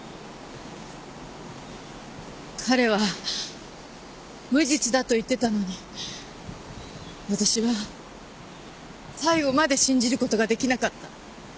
彼は無実だと言ってたのに私は最後まで信じることができなかった。